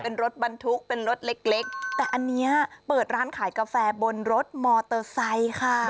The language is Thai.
เป็นรถบรรทุกเป็นรถเล็กเล็กแต่อันนี้เปิดร้านขายกาแฟบนรถมอเตอร์ไซค์ค่ะ